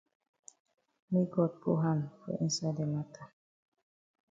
Make God put hand for inside the mata.